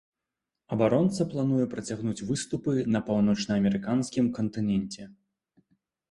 Абаронца плануе працягнуць выступы на паўночнаамерыканскім кантыненце.